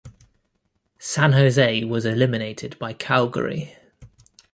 San Jose was eliminated by Calgary.